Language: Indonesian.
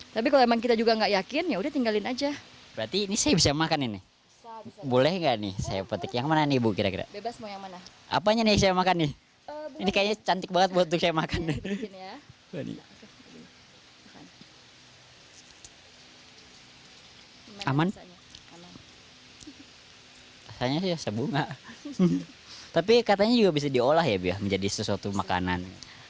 tapi katanya juga bisa diolah ya biar menjadi sesuatu makanan